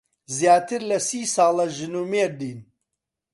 زیاتر لە سی ساڵە ژن و مێردین.